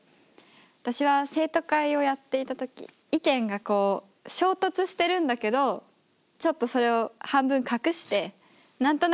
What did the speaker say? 私は生徒会をやっていた時意見がこう衝突してるんだけどちょっとそれを半分隠して何となくうまくいかせようとする。